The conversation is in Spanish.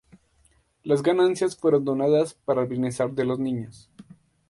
Las ganancias fueron donadas para el bienestar de los niños.